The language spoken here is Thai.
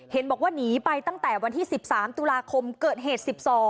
เห็นบอกว่าหนีไปตั้งแต่วันที่๑๓ตุลาคมเกิดเหตุ๑๒